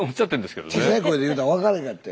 小さい声で言うたら分からへんかった。